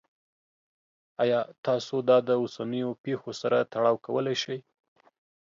ایا تاسو دا د اوسنیو پیښو سره تړاو کولی شئ؟